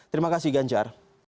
terima kasih ganjar